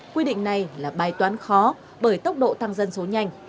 quy định này là bài toán khó bởi tốc độ tăng dân số nhanh